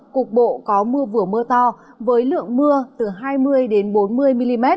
cục bộ có mưa vừa mưa to với lượng mưa từ hai mươi bốn mươi mm